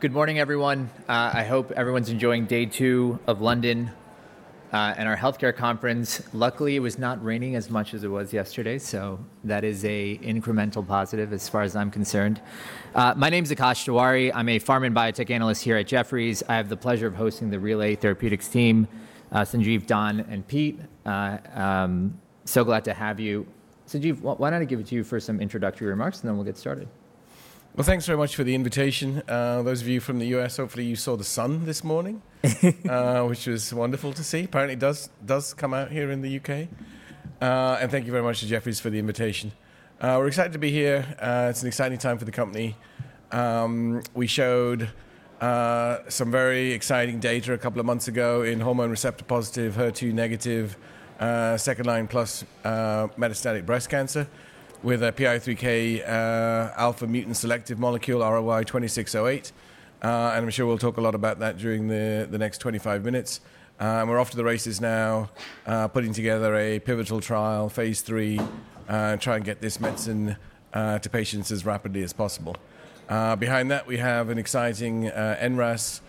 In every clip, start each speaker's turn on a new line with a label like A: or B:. A: Good morning, everyone. I hope everyone's enjoying day two of London and our healthcare conference. Luckily, it was not raining as much as it was yesterday, so that is an incremental positive as far as I'm concerned. My name is Akash Tewari. I'm a pharma and biotech analyst here at Jefferies. I have the pleasure of hosting the Relay Therapeutics team, Sanjiv, Don, and Pete. So glad to have you. Sanjiv, why don't I give it to you for some introductory remarks, and then we'll get started.
B: Thanks very much for the invitation. Those of you from the U.S., hopefully you saw the sun this morning, which was wonderful to see. Apparently, it does come out here in the U.K. Thank you very much to Jefferies for the invitation. We're excited to be here. It's an exciting time for the company. We showed some very exciting data a couple of months ago in hormone receptor positive, HER2-negative, second line plus metastatic breast cancer with a PI3K alpha mutant selective molecule, RLY-2608. I'm sure we'll talk a lot about that during the next 25 minutes. We're off to the races now, putting together a pivotal trial, Phase III, and trying to get this medicine to patients as rapidly as possible. Behind that, we have an exciting NRAS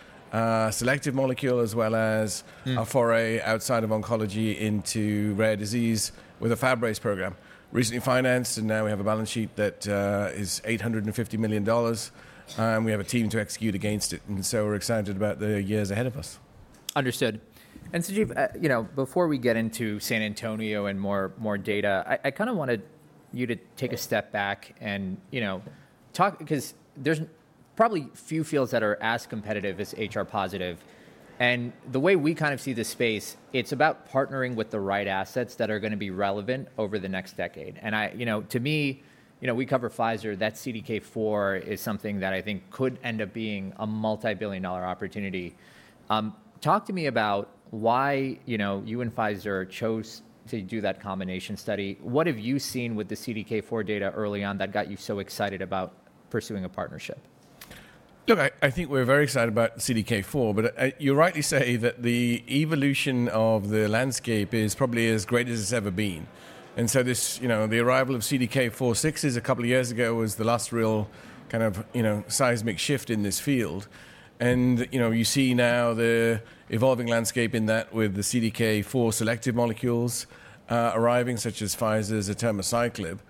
B: selective molecule, as well as a foray outside of oncology into rare disease with a Fabry program. Recently financed, and now we have a balance sheet that is $850 million, and we have a team to execute against it, and so we're excited about the years ahead of us.
A: Understood. Sanjiv, before we get into San Antonio and more data, I kind of wanted you to take a step back and talk, because there's probably few fields that are as competitive as HR-positive. The way we kind of see the space, it's about partnering with the right assets that are going to be relevant over the next decade. To me, we cover Pfizer. That CDK4 is something that I think could end up being a multi-billion-dollar opportunity. Talk to me about why you and Pfizer chose to do that combination study. What have you seen with the CDK4 data early on that got you so excited about pursuing a partnership?
B: Look, I think we're very excited about CDK4, but you're right to say that the evolution of the landscape is probably as great as it's ever been. And so the arrival of CDK4/6 a couple of years ago was the last real kind of seismic shift in this field. And you see now the evolving landscape in that with the CDK4 selective molecules arriving, such as Pfizer's atirmociclib.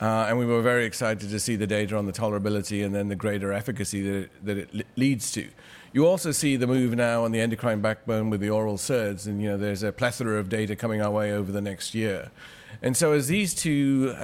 B: And we were very excited to see the data on the tolerability and then the greater efficacy that it leads to. You also see the move now on the endocrine backbone with the oral SERDs, and there's a plethora of data coming our way over the next year. And so as these two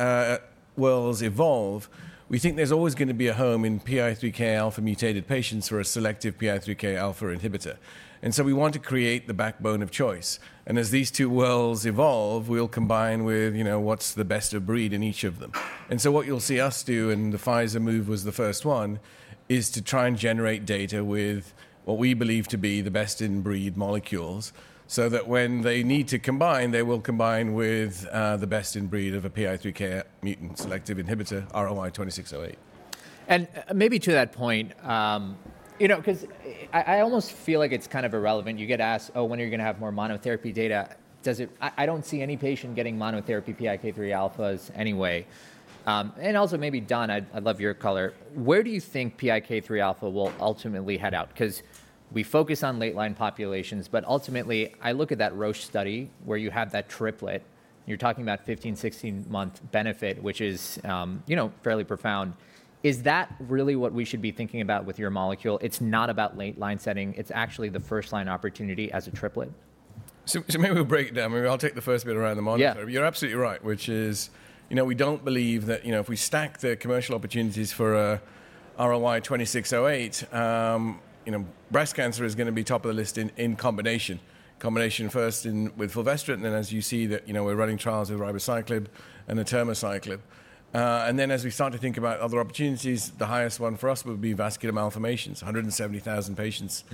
B: worlds evolve, we think there's always going to be a home in PI3K alpha mutated patients for a selective PI3K alpha inhibitor. And so we want to create the backbone of choice. And as these two worlds evolve, we'll combine with what's the best of breed in each of them. And so what you'll see us do, and the Pfizer move was the first one, is to try and generate data with what we believe to be the best in breed molecules so that when they need to combine, they will combine with the best in breed of a PI3K mutant selective inhibitor, RLY-2608.
A: And maybe to that point, because I almost feel like it's kind of irrelevant. You get asked, oh, when are you going to have more monotherapy data? I don't see any patient getting monotherapy PI3K alphas anyway. And also maybe Don, I love your color. Where do you think PI3K alpha will ultimately head out? Because we focus on late line populations, but ultimately, I look at that Roche study where you have that triplet. You're talking about 15-16 month benefit, which is fairly profound. Is that really what we should be thinking about with your molecule? It's not about late line setting. It's actually the first line opportunity as a triplet.
B: So maybe we'll break it down. Maybe I'll take the first bit around the monotherapy. You're absolutely right, which is we don't believe that if we stack the commercial opportunities for RLY-2608, breast cancer is going to be top of the list in combination. Combination first with fulvestrant, and then as you see that we're running trials with ribociclib and atirmociclib. And then as we start to think about other opportunities, the highest one for us would be vascular malformations, 170,000 patients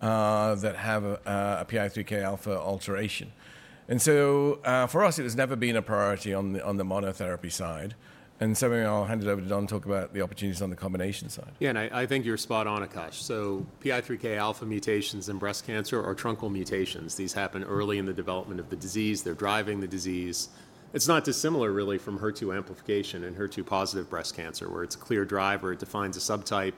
B: that have a PI3K alpha alteration. And so for us, it has never been a priority on the monotherapy side. And so I'll hand it over to Don to talk about the opportunities on the combination side.
C: Yeah, and I think you're spot on, Akash. So PI3K alpha mutations in breast cancer are truncal. These happen early in the development of the disease. They're driving the disease. It's not dissimilar really from HER2-amplification in HER2-positive breast cancer, where it's a clear driver. It defines a subtype.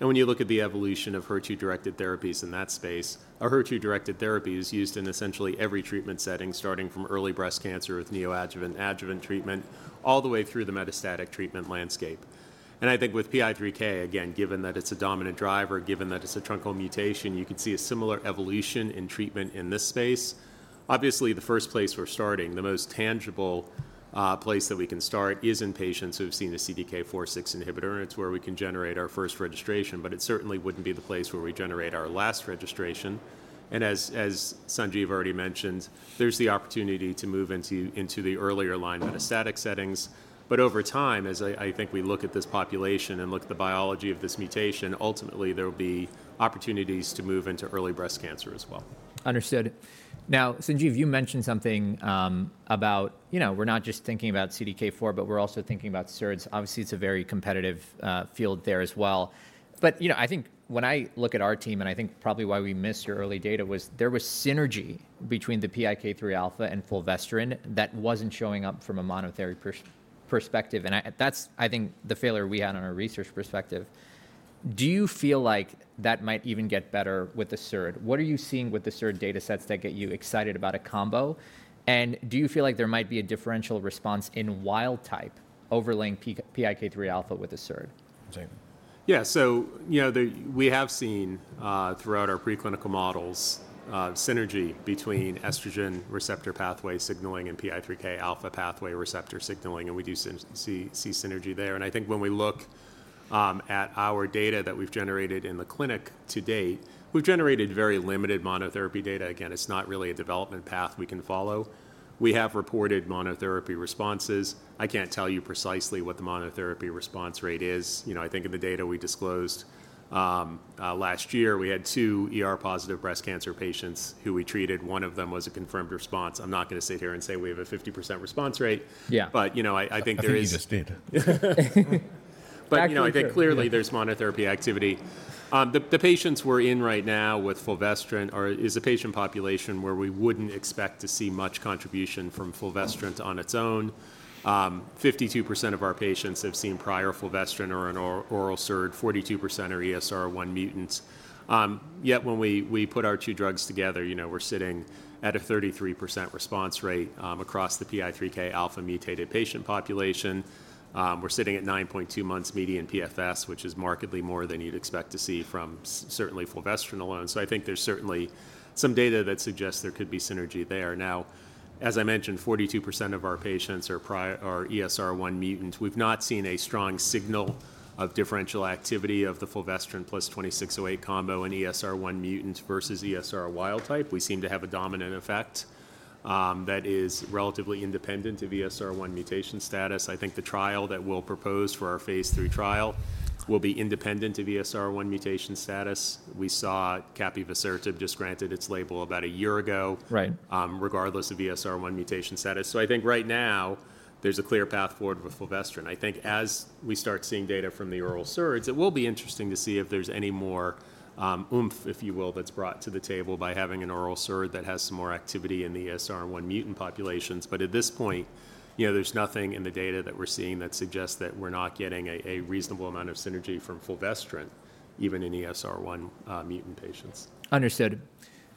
C: And when you look at the evolution of HER2-directed therapies in that space, HER2-directed therapy is used in essentially every treatment setting, starting from early breast cancer with neoadjuvant adjuvant treatment all the way through the metastatic treatment landscape. And I think with PI3K, again, given that it's a dominant driver, given that it's a truncal mutation, you can see a similar evolution in treatment in this space. Obviously, the first place we're starting, the most tangible place that we can start, is in patients who have seen a CDK4/6 inhibitor, and it's where we can generate our first registration, but it certainly wouldn't be the place where we generate our last registration, and as Sanjiv already mentioned, there's the opportunity to move into the earlier line metastatic settings, but over time, as I think we look at this population and look at the biology of this mutation, ultimately, there will be opportunities to move into early breast cancer as well. Understood. Now, Sanjiv, you mentioned something about we're not just thinking about CDK4, but we're also thinking about SERDs. Obviously, it's a very competitive field there as well.
A: But I think when I look at our team, and I think probably why we missed your early data, was there was synergy between the PI3K alpha and fulvestrant that wasn't showing up from a monotherapy perspective. And that's, I think, the failure we had on a research perspective. Do you feel like that might even get better with the SERD? What are you seeing with the SERD data sets that get you excited about a combo? And do you feel like there might be a differential response in wild type overlaying PI3K alpha with the SERD?
C: Yeah, so we have seen throughout our preclinical models synergy between estrogen receptor pathway signaling and PI3K alpha pathway receptor signaling, and we do see synergy there. And I think when we look at our data that we've generated in the clinic to date, we've generated very limited monotherapy data. Again, it's not really a development path we can follow. We have reported monotherapy responses. I can't tell you precisely what the monotherapy response rate is. I think in the data we disclosed last year, we had two positive breast cancer patients who we treated. One of them was a confirmed response. I'm not going to sit here and say we have a 50% response rate.
A: Yeah.
C: But I think there is.
A: I'm happy to see this data.
C: I think clearly there's monotherapy activity. The patients we're in right now with fulvestrant are a patient population where we wouldn't expect to see much contribution from fulvestrant on its own. 52% of our patients have seen prior fulvestrant or an oral SERD, 42% are ESR1 mutants. Yet when we put our two drugs together, we're sitting at a 33% response rate across the PI3K alpha mutated patient population. We're sitting at 9.2 months median PFS, which is markedly more than you'd expect to see from certainly fulvestrant alone. So I think there's certainly some data that suggests there could be synergy there. Now, as I mentioned, 42% of our patients are ESR1 mutants. We've not seen a strong signal of differential activity of the fulvestrant plus 2608 combo and ESR1 mutant versus ESR1 wild type. We seem to have a dominant effect that is relatively independent of ESR1 mutation status. I think the trial that we'll propose for our phase three trial will be independent of ESR1 mutation status. We saw capivasertib just granted its label about a year ago, regardless of ESR1 mutation status. So I think right now there's a clear path forward with fulvestrant. I think as we start seeing data from the oral SERDs, it will be interesting to see if there's any more oomph, if you will, that's brought to the table by having an oral SERD that has some more activity in the ESR1 mutant populations. But at this point, there's nothing in the data that we're seeing that suggests that we're not getting a reasonable amount of synergy from fulvestrant, even in ESR1 mutant patients.
A: Understood.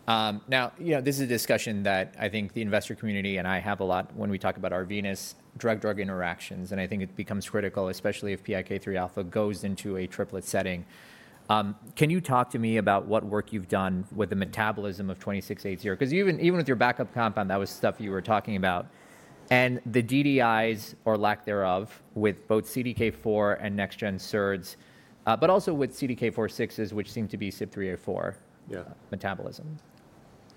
A: Now, this is a discussion that I think the investor community and I have a lot when we talk about our PI3K drug-drug interactions. I think it becomes critical, especially if PI3K alpha goes into a triplet setting. Can you talk to me about what work you've done with the metabolism of RLY-2608? Because even with your backup compound, that was stuff you were talking about. And the DDIs, or lack thereof, with both CDK4 and next gen SERDs, but also with CDK4/6s, which seem to be CYP3A4 metabolism.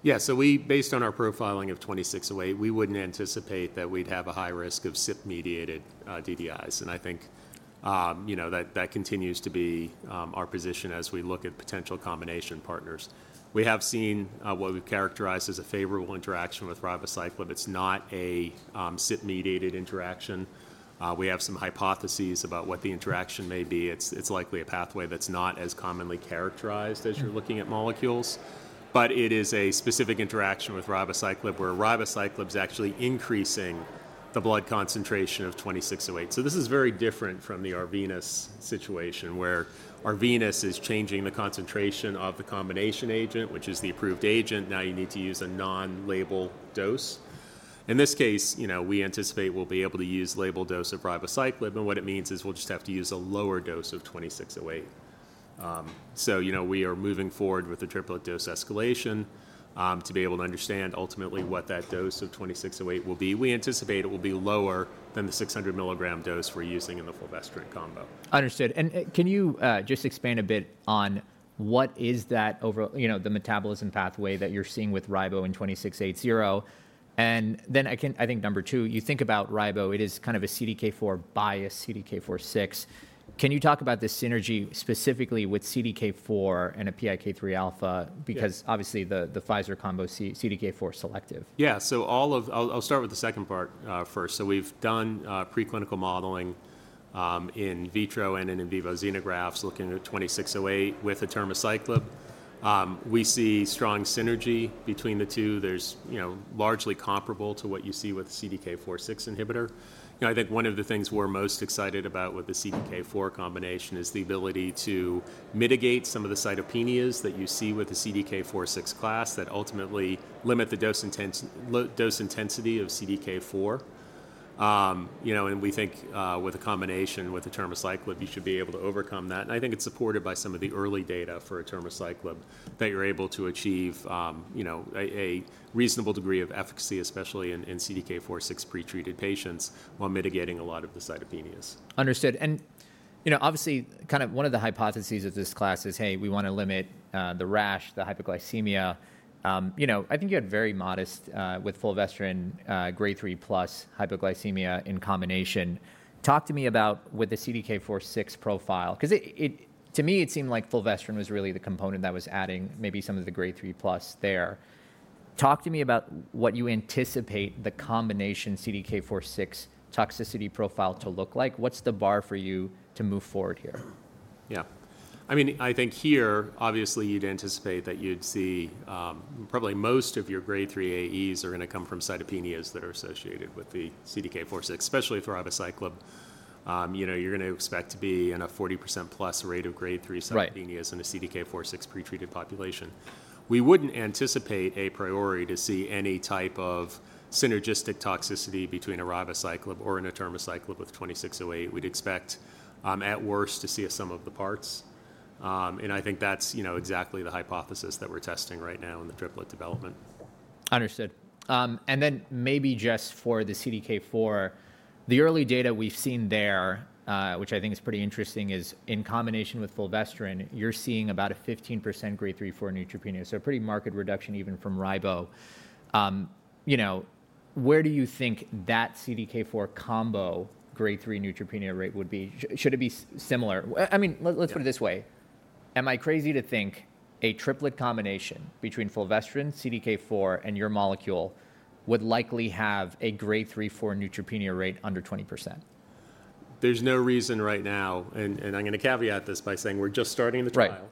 C: Yeah, so based on our profiling of 2608, we wouldn't anticipate that we'd have a high risk of CYP mediated DDIs. And I think that continues to be our position as we look at potential combination partners. We have seen what we've characterized as a favorable interaction with ribociclib. It's not a CYP mediated interaction. We have some hypotheses about what the interaction may be. It's likely a pathway that's not as commonly characterized as you're looking at molecules. But it is a specific interaction with ribociclib where ribociclib is actually increasing the blood concentration of 2608. So this is very different from the Arvinas situation where Arvinas is changing the concentration of the combination agent, which is the approved agent. Now you need to use a non-label dose. In this case, we anticipate we'll be able to use label dose of ribociclib. What it means is we'll just have to use a lower dose of 2608. We are moving forward with the triplet dose escalation to be able to understand ultimately what that dose of 2608 will be. We anticipate it will be lower than the 600mg dose we're using in the fulvestrant combo.
A: Understood. And can you just expand a bit on what is that about the metabolism pathway that you're seeing with ribo in RLY-2608? And then I think number two, you think about ribo, it is kind of a CDK4 biased, CDK4/6. Can you talk about the synergy specifically with CDK4 and a PI3K alpha? Because obviously the Pfizer combo CDK4 selective.
C: Yeah, so I'll start with the second part first. So we've done preclinical modeling in vitro and in vivo xenografts looking at 2608 with atirmociclib. We see strong synergy between the two. It's largely comparable to what you see with the CDK4/6 inhibitor. I think one of the things we're most excited about with the CDK4 combination is the ability to mitigate some of the cytopenias that you see with the CDK4/6 class that ultimately limit the dose intensity of CDK4. And we think with a combination with atirmociclib, you should be able to overcome that. And I think it's supported by some of the early data for atirmociclib that you're able to achieve a reasonable degree of efficacy, especially in CDK4/6 pretreated patients while mitigating a lot of the cytopenias.
A: Understood. Obviously, kind of one of the hypotheses of this class is, hey, we want to limit the rash, the hyperglycemia. I think you had very modest with fulvestrant Grade 3 plus hyperglycemia in combination. Talk to me about with the CDK4/6 profile. Because to me, it seemed like fulvestrant was really the component that was adding maybe some of the Grade 3 plus there. Talk to me about what you anticipate the combination CDK4/6 toxicity profile to look like. What's the bar for you to move forward here?
C: Yeah. I mean, I think here, obviously, you'd anticipate that you'd see probably most of your Grade 3 AEs are going to come from cytopenias that are associated with the CDK4/6, especially with ribociclib. You're going to expect to be in a 40% plus rate of Grade 3 cytopenias in a CDK4/6 pretreated population. We wouldn't anticipate a priori to see any type of synergistic toxicity between a ribociclib or an atirmociclib with 2608. We'd expect at worst to see a sum of the parts. And I think that's exactly the hypothesis that we're testing right now in the triplet development.
A: Understood. And then maybe just for the CDK4, the early data we've seen there, which I think is pretty interesting, is in combination with fulvestrant, you're seeing about a 15% Grade 3/4 neutropenia. So a pretty marked reduction even from ribo. Where do you think that CDK4 combo Grade 3 neutropenia rate would be? Should it be similar? I mean, let's put it this way. Am I crazy to think a triplet combination between fulvestrant, CDK4, and your molecule would likely have a Grade 3/4 neutropenia rate under 20%?
B: There's no reason right now, and I'm going to caveat this by saying we're just starting the trial,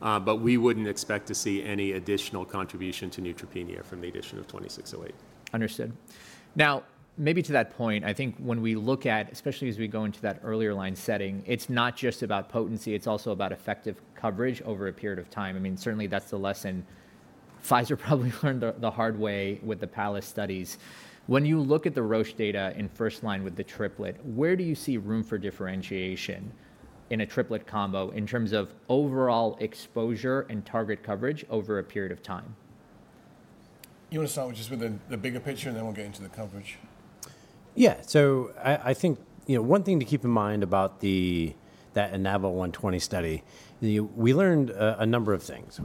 B: but we wouldn't expect to see any additional contribution to neutropenia from the addition of 2608.
A: Understood. Now, maybe to that point, I think when we look at, especially as we go into that earlier line setting, it's not just about potency. It's also about effective coverage over a period of time. I mean, certainly that's the lesson Pfizer probably learned the hard way with the PALLAS studies. When you look at the Roche data in first line with the triplet, where do you see room for differentiation in a triplet combo in terms of overall exposure and target coverage over a period of time?
C: You want to start with just the bigger picture and then we'll get into the coverage.
B: Yeah, so I think one thing to keep in mind about that INAVO120 study, we learned a number of things.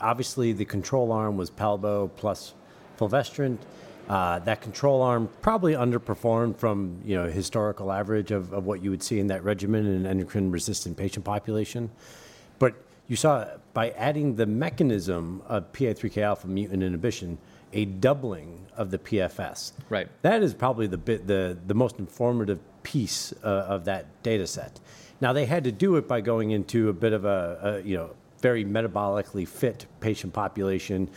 B: Obviously, the control arm was palbo plus fulvestrant. That control arm probably underperformed from historical average of what you would see in that regimen in an endocrine resistant patient population. But you saw by adding the mechanism of PI3K alpha mutant inhibition, a doubling of the PFS. That is probably the most informative piece of that data set. Now, they had to do it by going into a bit of a very metabolically fit patient population,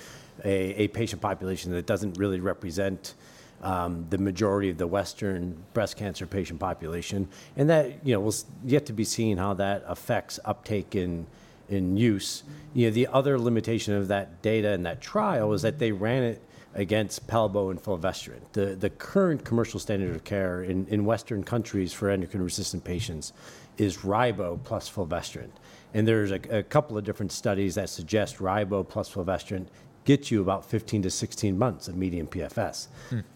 B: a patient population that doesn't really represent the majority of the Western breast cancer patient population. And that will yet to be seen how that affects uptake in use. The other limitation of that data and that trial was that they ran it against palbo and fulvestrant. The current commercial standard of care in Western countries for endocrine resistant patients is ribo plus fulvestrant. And there's a couple of different studies that suggest ribo plus fulvestrant gets you about 15-16 months of median PFS.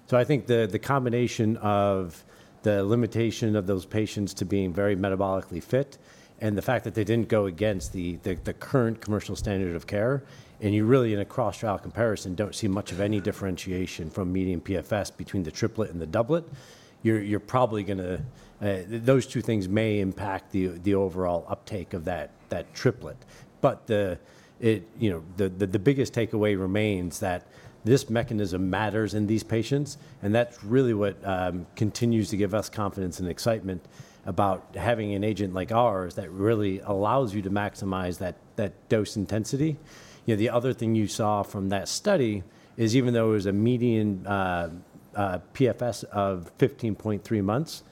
B: So I think the combination of the limitation of those patients to being very metabolically fit and the fact that they didn't go against the current commercial standard of care, and you really in a cross trial comparison don't see much of any differentiation from median PFS between the triplet and the doublet, you're probably going to those two things may impact the overall uptake of that triplet. But the biggest takeaway remains that this mechanism matters in these patients. And that's really what continues to give us confidence and excitement about having an agent like ours that really allows you to maximize that dose intensity. The other thing you saw from that study is even though it was a median PFS of 15.3 months,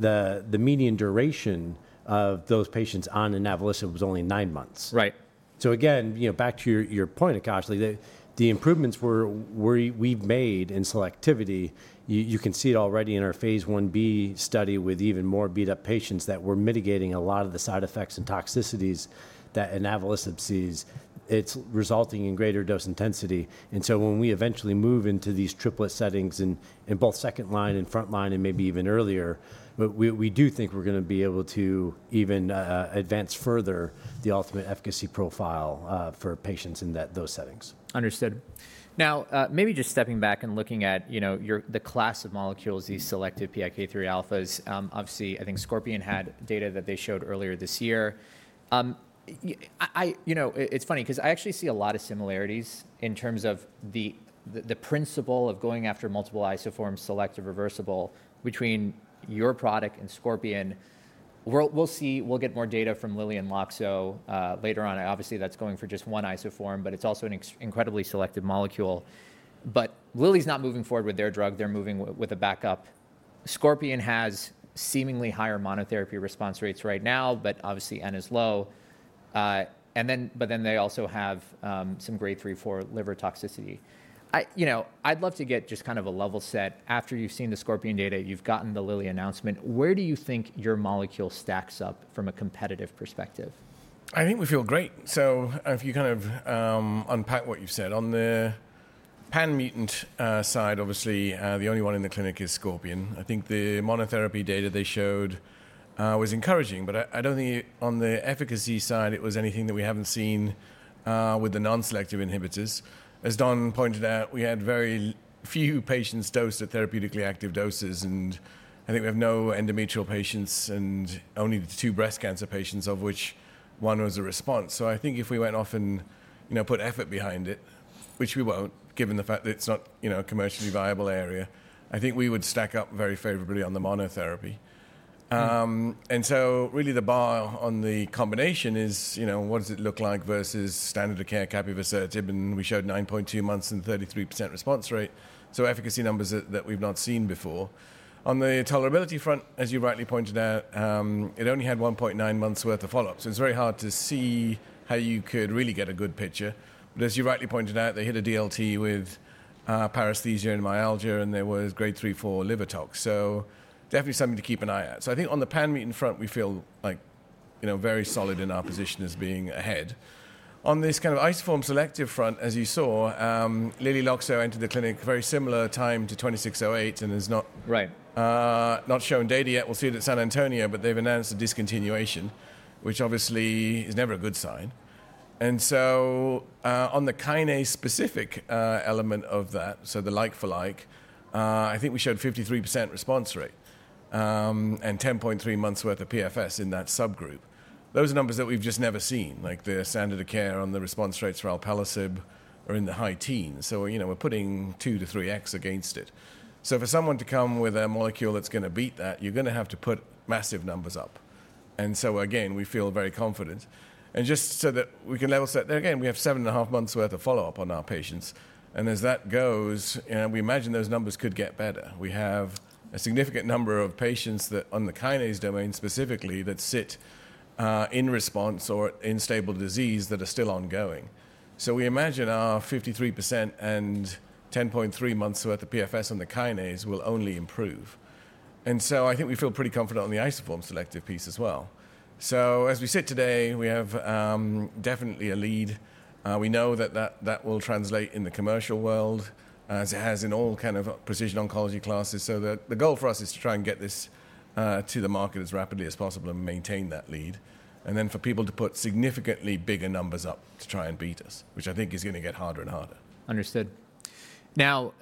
B: the median duration of those patients on INAVO120 was only nine months. Again, back to your point, Akash, the improvements we've made in selectivity, you can see it already in our Phase I-B study with even more beat up patients that were mitigating a lot of the side effects and toxicities that INAVO120 sees. It's resulting in greater dose intensity. When we eventually move into these triplet settings in both second line and front line and maybe even earlier, we do think we're going to be able to even advance further the ultimate efficacy profile for patients in those settings. Understood. Now, maybe just stepping back and looking at the class of molecules these selective PI3K alphas, obviously, I think Scorpion had data that they showed earlier this year. It's funny because I actually see a lot of similarities in terms of the principle of going after multiple isoforms, selective reversible between your product and Scorpion. We'll get more data from Lilly and Loxo later on. Obviously, that's going for just one isoform, but it's also an incredibly selective molecule. But Lilly's not moving forward with their drug. They're moving with a backup. Scorpion has seemingly higher monotherapy response rates right now, but obviously N is low. But then they also have some Grade 3/4 liver toxicity. I'd love to get just kind of a level set. After you've seen the Scorpion data, you've gotten the Lilly announcement. Where do you think your molecule stacks up from a competitive perspective? I think we feel great. So if you kind of unpack what you've said. On the pan mutant side, obviously, the only one in the clinic is Scorpion. I think the monotherapy data they showed was encouraging. But I don't think on the efficacy side, it was anything that we haven't seen with the non-selective inhibitors. As Don pointed out, we had very few patients dosed at therapeutically active doses. And I think we have no endometrial patients and only the two breast cancer patients, of which one was a response. So I think if we went off and put effort behind it, which we won't, given the fact that it's not a commercially viable area, I think we would stack up very favorably on the monotherapy. And so really the bar on the combination is, what does it look like versus standard of care capivasertib? And we showed 9.2 months and 33% response rate. So efficacy numbers that we've not seen before. On the tolerability front, as you rightly pointed out, it only had 1.9 months' worth of follow-ups. So it's very hard to see how you could really get a good picture. But as you rightly pointed out, they hit a DLT with paresthesia and myalgia, and there was Grade 3/4 liver tox. So definitely something to keep an eye out. So I think on the pan-mutant front, we feel very solid in our position as being ahead. On this kind of isoform-selective front, as you saw, Lilly Loxo entered the clinic very similar time to 2608 and has not shown data yet. We'll see it at San Antonio, but they've announced a discontinuation, which obviously is never a good sign. And so on the kinase specific element of that, so the like for like, I think we showed 53% response rate and 10.3 months' worth of PFS in that subgroup. Those are numbers that we've just never seen, like the standard of care on the response rates for alpelisib are in the high teens. So we're putting two to three X against it. So for someone to come with a molecule that's going to beat that, you're going to have to put massive numbers up. And so again, we feel very confident. And just so that we can level set, there again, we have seven and a half months' worth of follow-up on our patients. And as that goes, we imagine those numbers could get better. We have a significant number of patients that on the kinase domain specifically that sit in response or in stable disease that are still ongoing. So we imagine our 53% and 10.3 months worth of PFS on the kinase will only improve. And so I think we feel pretty confident on the isoform selective piece as well. So as we sit today, we have definitely a lead. We know that that will translate in the commercial world as it has in all kind of precision oncology classes. So the goal for us is to try and get this to the market as rapidly as possible and maintain that lead. And then for people to put significantly bigger numbers up to try and beat us, which I think is going to get harder and harder.
A: Understood. Now,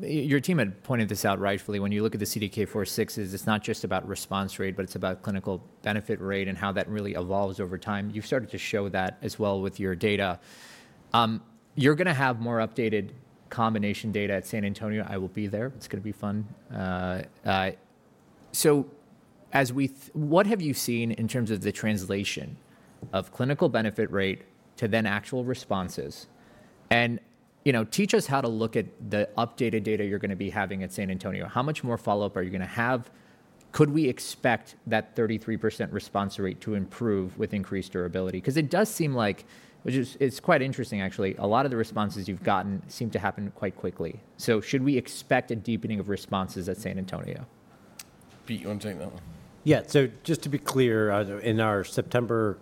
A: your team had pointed this out rightfully. When you look at the CDK4/6, it's not just about response rate, but it's about clinical benefit rate and how that really evolves over time. You've started to show that as well with your data. You're going to have more updated combination data at San Antonio. I will be there. It's going to be fun. So what have you seen in terms of the translation of clinical benefit rate to then actual responses? And teach us how to look at the updated data you're going to be having at San Antonio. How much more follow-up are you going to have? Could we expect that 33% response rate to improve with increased durability? Because it does seem like, which is quite interesting actually, a lot of the responses you've gotten seem to happen quite quickly. So should we expect a deepening of responses at San Antonio?
C: Pete, you want to take that one?
D: Yeah. So just to be clear, in our September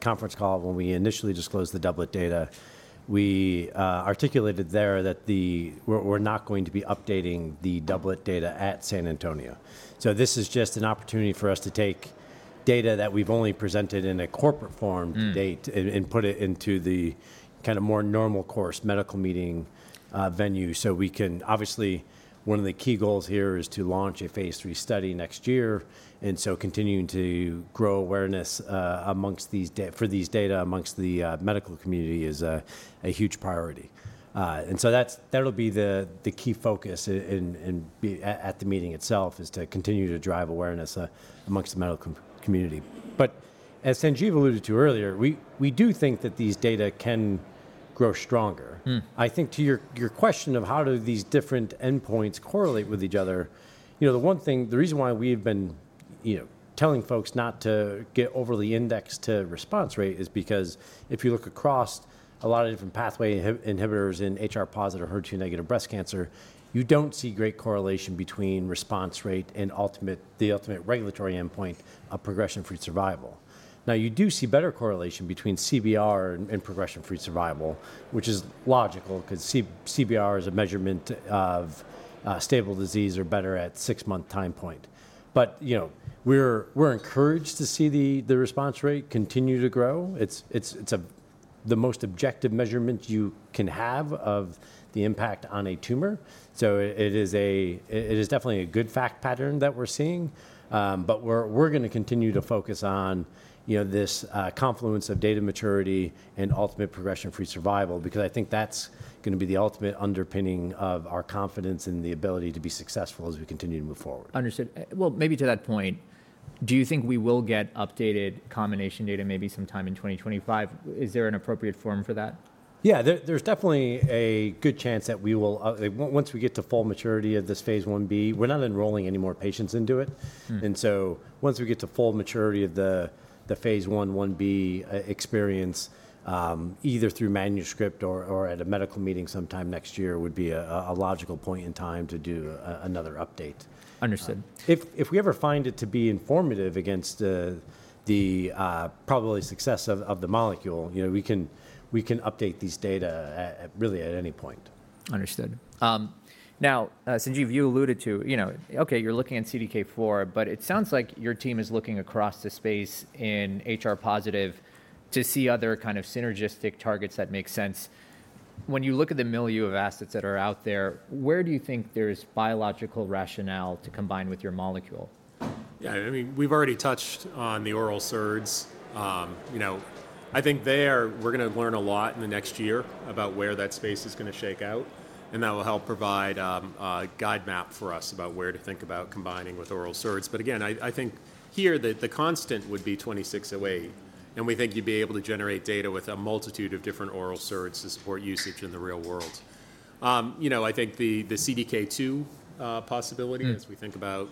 D: conference call when we initially disclosed the doublet data, we articulated there that we're not going to be updating the doublet data at San Antonio. So this is just an opportunity for us to take data that we've only presented in a corporate form to date and put it into the kind of more normal course medical meeting venue. So we can obviously, one of the key goals here is to launch a Phase III study next year. And so continuing to grow awareness for these data among the medical community is a huge priority. And so that'll be the key focus at the meeting itself is to continue to drive awareness among the medical community. But as Sanjiv alluded to earlier, we do think that these data can grow stronger. I think to your question of how do these different endpoints correlate with each other, the reason why we've been telling folks not to get overly indexed to response rate is because if you look across a lot of different pathway inhibitors in HR-positive or HER2-negative breast cancer, you don't see great correlation between response rate and the ultimate regulatory endpoint of progression-free survival. Now, you do see better correlation between CBR and progression-free survival, which is logical because CBR is a measurement of stable disease or better at six-month time point. But we're encouraged to see the response rate continue to grow. It's the most objective measurement you can have of the impact on a tumor. So it is definitely a good fact pattern that we're seeing. But we're going to continue to focus on this confluence of data maturity and ultimate progression-free survival because I think that's going to be the ultimate underpinning of our confidence in the ability to be successful as we continue to move forward.
A: Understood. Maybe to that point, do you think we will get updated combination data maybe sometime in 2025? Is there an appropriate forum for that?
D: Yeah, there's definitely a good chance that we will, once we get to full maturity of this Phase Ib. We're not enrolling any more patients into it, and so once we get to full maturity of the Phase Ib experience, either through manuscript or at a medical meeting sometime next year would be a logical point in time to do another update.
A: Understood.
D: If we ever find it to be informative against the probability success of the molecule, we can update these data really at any point.
A: Understood. Now, Sanjiv, you alluded to, okay, you're looking at CDK4, but it sounds like your team is looking across the space in HR positive to see other kind of synergistic targets that make sense. When you look at the milieu of assets that are out there, where do you think there's biological rationale to combine with your molecule?
B: Yeah, I mean, we've already touched on the oral SERDs. I think we're going to learn a lot in the next year about where that space is going to shake out. That will help provide a guide map for us about where to think about combining with oral SERDs. But again, I think here the constant would be 2608. We think you'd be able to generate data with a multitude of different oral SERDs to support usage in the real world. I think the CDK2 possibility as we think about,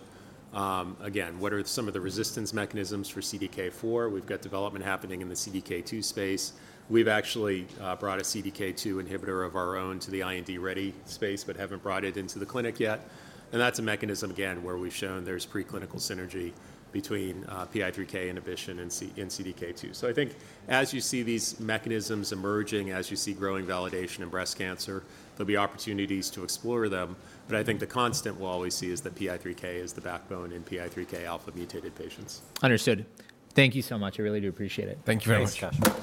B: again, what are some of the resistance mechanisms for CDK4. We've got development happening in the CDK2 space. We've actually brought a CDK2 inhibitor of our own to the IND ready space, but haven't brought it into the clinic yet. That's a mechanism, again, where we've shown there's preclinical synergy between PI3K inhibition and CDK2. So I think as you see these mechanisms emerging, as you see growing validation in breast cancer, there'll be opportunities to explore them. But I think the constant we'll always see is that PI3K is the backbone in PI3K alpha mutated patients.
A: Understood. Thank you so much. I really do appreciate it.
C: Thank you very much.